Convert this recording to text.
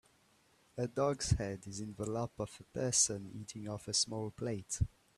A dog 's head is in the lap of a person eating off a small plate.